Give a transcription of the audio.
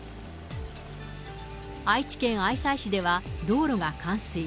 愛知県愛西市では、道路が冠水。